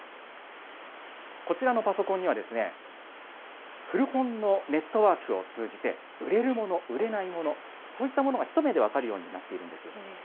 こちらのパソコンには、古本のネットワークを通じて、売れるもの、売れないもの、そういったものが一目で分かるようになっているんです。